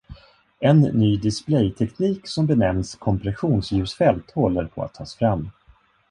En ny displayteknik som benämns "kompressionsljusfält" håller på att tas fram.